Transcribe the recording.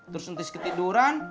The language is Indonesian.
terus nanti ketiduran